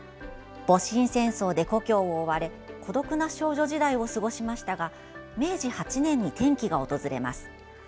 戊辰戦争で故郷を追われ孤独な少女時代を過ごしましたが明治８年に転機が訪れます。